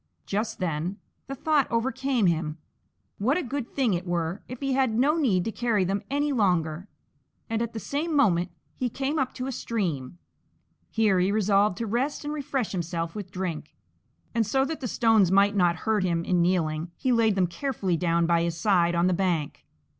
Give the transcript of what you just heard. Just then the thought overcame him, what a good thing it were if he had no need to carry them any longer, and at the same moment he came up to a stream. Here he resolved to rest and refresh himself with drink, and so that the stones might not hurt him in kneeling he laid them carefully down by his side on the bank.